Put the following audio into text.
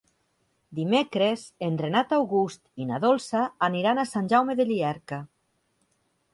Dimecres en Renat August i na Dolça aniran a Sant Jaume de Llierca.